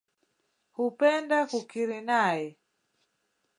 Hupenda kukiri nae.